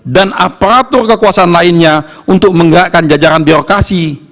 dan aparatur kekuasaan lainnya untuk menggerakkan jajaran birokrasi